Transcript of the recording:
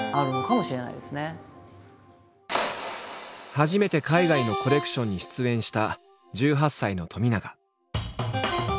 初めて海外のコレクションに出演した１８歳の冨永。